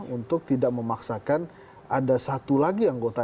untuk tidak memaksakan ada satu lagi anggota